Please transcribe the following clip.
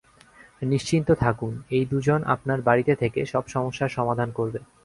নিশ্চিন্ত থাকুন, এই দুজন আপনার বাড়িতে থেকে সব সমস্যার সমাধান করবে।